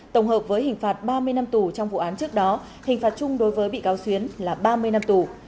tổng hợp với hình phạt ba mươi năm tù trong vụ án trước đó hình phạt chung đối với bị cáo xuyến là ba mươi năm tù